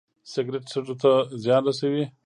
سګرټ سږو ته زیان رسوي